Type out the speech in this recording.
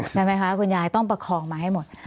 ใช่ไหมคะคุณยายต้องประคองมาให้หมด